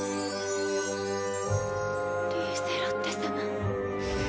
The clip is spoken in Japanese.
リーゼロッテ様。